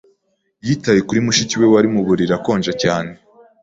Yitaye kuri mushiki we, wari mu buriri akonje cyane.